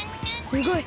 すごい！